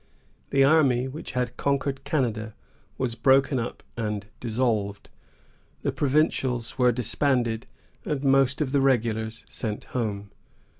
The army which had conquered Canada was broken up and dissolved; the provincials were disbanded, and most of the regulars sent home.